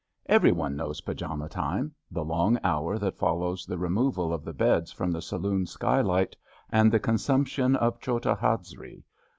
Every one knows pyjama time — the long hour that follows the removal of the beds from the saloon skylight and the consumption of chota hazri.